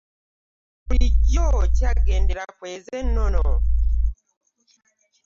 Bulijjo okyagendera kweezo ennono.